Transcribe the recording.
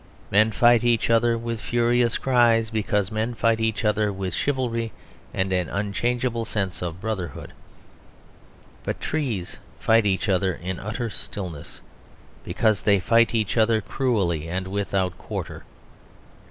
Men fight each other with furious cries, because men fight each other with chivalry and an unchangeable sense of brotherhood. But trees fight each other in utter stillness; because they fight each other cruelly and without quarter.